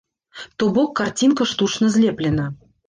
То бок карцінка штучна злеплена.